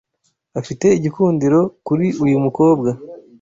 Afite igikundiro kuri uyu mukobwa.